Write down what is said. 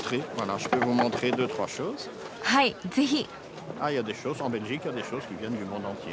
はいぜひ。